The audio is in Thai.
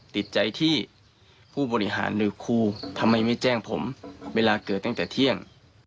ติดใจที่ผู้บริหารหรือครูทำไมไม่แจ้งผมเวลาเกิดตั้งแต่เที่ยง